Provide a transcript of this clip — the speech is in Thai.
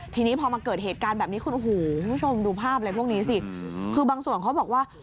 ที่นี้พอมาเกิดเหตุการณ์แบบนี้นึงคุณโหวดูภาพก็คือบางส่วนเขาบอกว่า